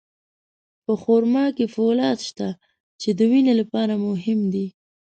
په خرما کې فولاد شته، چې د وینې لپاره مهم دی.